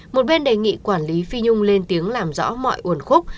một bên đề nghị quản lý phi nhung lên tiếng làm rõ mọi uẩn khúc